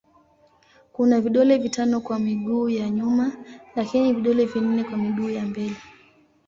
Kuna vidole vitano kwa miguu ya nyuma lakini vidole vinne kwa miguu ya mbele.